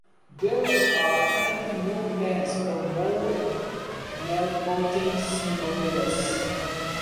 There are currently no plans for more Malcontents novellas.